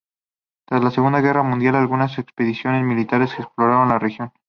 Tras la Segunda Guerra Mundial, algunas expediciones militares exploraron la región.